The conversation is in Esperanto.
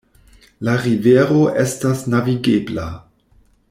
La rivero estas navigebla.